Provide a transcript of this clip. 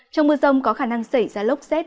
trong mưa rông có khả năng xảy ra lốc xét